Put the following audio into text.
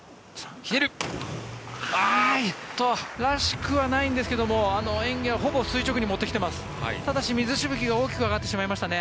らしくはないんですが演技はほぼ垂直に持ってきていますね。